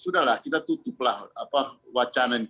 sudah lah kita tutuplah wacana ini